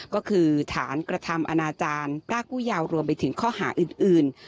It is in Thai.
ก็คือฐานกระทำอนาจารย์พรากผู้ยาวรวมไปถึงข้อหาอื่น